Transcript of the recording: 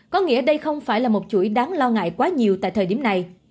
có nghĩa đây không phải là một chuỗi đáng lo ngại quá nhiều tại thời điểm này